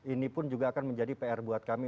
ini pun juga akan menjadi pr buat kami